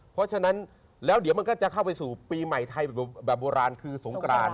เพราะฉะนั้นแล้วเดี๋ยวมันก็จะเข้าไปสู่ปีใหม่ไทยแบบโบราณคือสงกราน